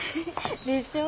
でしょう？